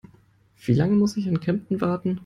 Wie lange muss ich in Kempten warten?